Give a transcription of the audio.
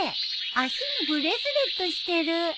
足にブレスレットしてる！